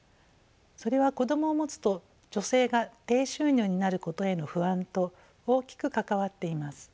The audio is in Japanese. それは子どもを持つと女性が低収入になることへの不安と大きく関わっています。